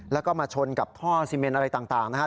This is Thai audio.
แล้วก็มาชนกับท่อซีเมนอะไรต่างนะครับ